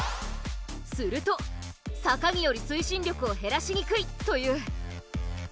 すると坂による推進力を減らしにくいという。